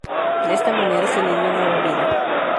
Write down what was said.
De esta manera se le dio nueva vida.